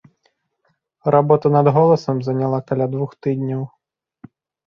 Работа над голасам заняла каля двух тыдняў.